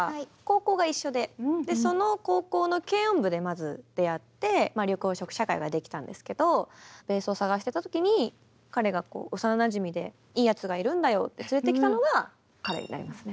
その高校の軽音部でまず出会って緑黄色社会ができたんですけどベースを探してたときに彼が幼なじみでいいやつがいるんだよって連れてきたのが彼になりますね。